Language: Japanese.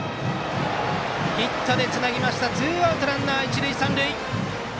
ヒットでつなぎましたツーアウトランナー、一塁三塁。